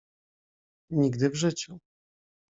"Nigdy w życiu."